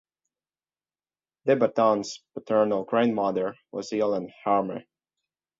De Botton's paternal grandmother was Yolande Harmer.